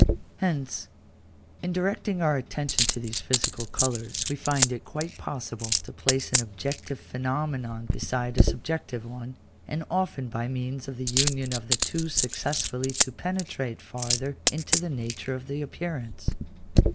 Hence, in directing our attention to these physical colours, we find it quite possible to place an objective phenomenon beside a subjective one, and often by means of the union of the two successfully to penetrate farther into the nature of the appearance.